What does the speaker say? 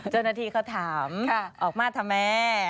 เจ้าหน้าที่เขาถามออกมาทำไม